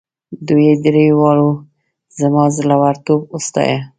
دوی دریو واړو زما زړه ورتوب وستایه.